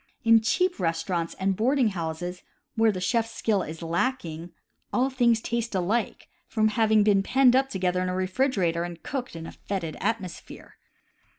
In cheap restaurants and boarding houses, where the chef's skill is lacking, "all things taste alike," from 130 CAMPING AND WOODCRAFT having been penned up together in a refrigerator and cooked in a fetid atmosphere.